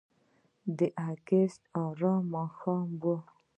د اګست آرامه ماښام و.